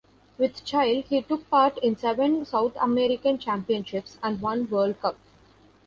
With Chile he took part in seven South American Championships and one World Cup.